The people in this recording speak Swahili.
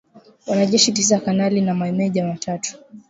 Wanajeshi tisa kanali na mameja watatu